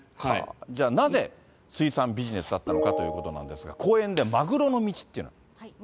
じゃあなぜ水産ビジネスだったのかということですが、講演でマグロの道っていうのがある。